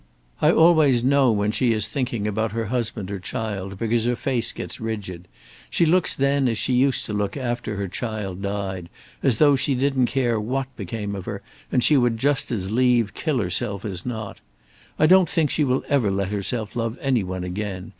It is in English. I always know when she is thinking about her husband or child, because her face gets rigid; she looks then as she used to look after her child died, as though she didn't care what became of her and she would just as lieve kill herself as not. I don't think she will ever let herself love any one again.